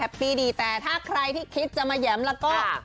แฮปปี้ดีแต่ถ้าใครที่คิดจะมะแย๋มละก็